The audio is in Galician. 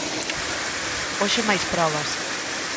Hoxe máis probas.